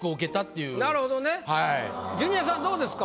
なるほどねジュニアさんどうですか？